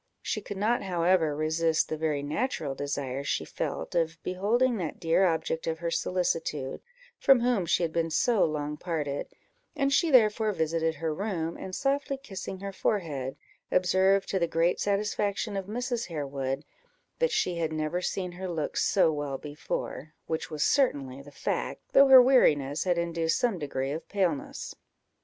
She could not, however, resist the very natural desire she felt of beholding that dear object of her solicitude, from whom she had been so long parted; and she therefore visited her room, and, softly kissing her forehead, observed, to the great satisfaction of Mrs. Harewood, that she had never seen her look so well before, which was certainly the fact, though her weariness had induced some degree of paleness.